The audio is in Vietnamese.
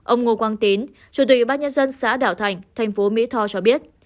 ông ngô quang tín chủ tịch bác nhân dân xã đạo thành thành phố mỹ tho cho biết